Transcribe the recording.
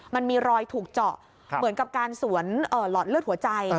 มันมีรอยถูกเจาะเหมือนกับการสวนหลอดเลือดหัวใจ